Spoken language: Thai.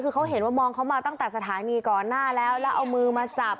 คือเขาเห็นว่ามองเขามาตั้งแต่สถานีก่อนหน้าแล้วแล้วเอามือมาจับ